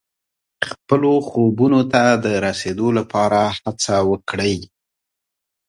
خپلو خوبونو ته د رسیدو لپاره هڅه وکړئ.